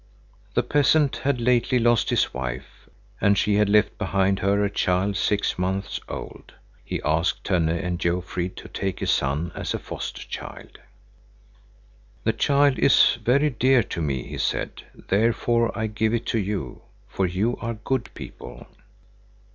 The peasant had lately lost his wife, and she had left behind her a child six months old. He asked Tönne and Jofrid to take his son as a foster child. "The child is very dear to me," he said, "therefore I give it to you, for you are good people."